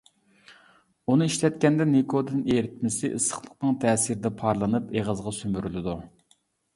ئۇنى ئىشلەتكەندە نىكوتىن ئېرىتمىسى ئىسسىقلىقنىڭ تەسىرىدە پارلىنىپ، ئېغىزغا سۈمۈرۈلىدۇ.